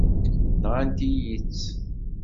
Nɣant-iyi-tt.